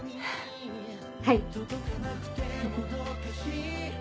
はい。